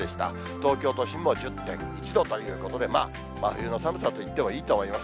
東京都心も１０．１度ということで、まあ、真冬の寒さといってもいいと思います。